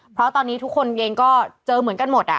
เพราะตอนนี้ทุกคนเองก็เจอเหมือนกันหมด